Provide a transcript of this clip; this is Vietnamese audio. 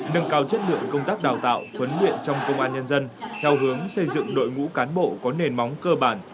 nâng cao chất lượng công tác đào tạo huấn luyện trong công an nhân dân theo hướng xây dựng đội ngũ cán bộ có nền móng cơ bản